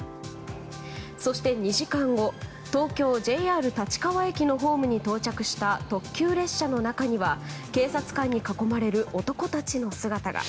そして２時間後東京・ＪＲ立川駅のホームに到着した特急列車の中には警察官に囲まれる男たちの姿が。